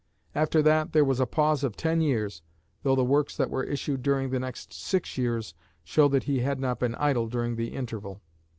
After that there was a pause of ten years, though the works that were issued during the next six years show that he had not been idle during the interval.